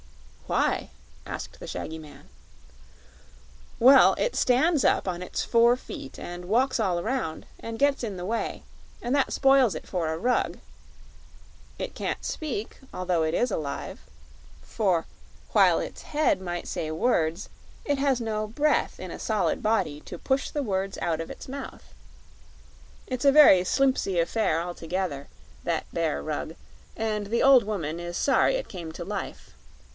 "Why?" asked the shaggy man. "Well, it stands up on its four feet and walks all around, and gets in the way; and that spoils it for a rug. It can't speak, although it is alive; for, while its head might say words, it has no breath in a solid body to push the words out of its mouth. It's a very slimpsy affair altogether, that bear rug, and the old woman is sorry it came to life.